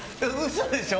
嘘でしょ？